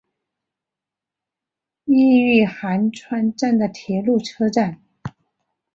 伊予寒川站的铁路车站。